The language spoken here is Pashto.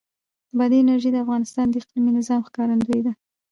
بادي انرژي د افغانستان د اقلیمي نظام ښکارندوی ده.